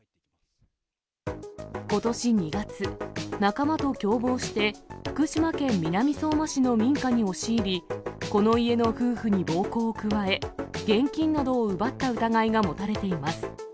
ことし２月、仲間と共謀して、福島県南相馬市の民家に押し入り、この家の夫婦に暴行を加え、現金などを奪った疑いが持たれています。